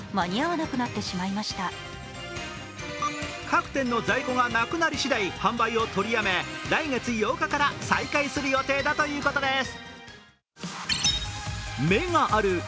各店の在庫がなくなり次第、販売を取りやめ、来月８日から再開する予定だということです。